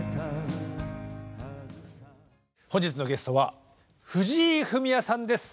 本日のゲストは藤井フミヤさんです。